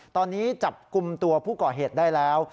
ตอนนี้จับกลุ่มตัวผู้ก่อเหตุได้แล้ว